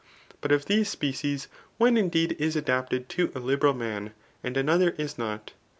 But of these species, one indeed is adapted to a liberal man, and ano ther is not.